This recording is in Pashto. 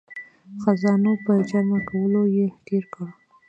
خزانو په جمع کولو یې تیر کړ.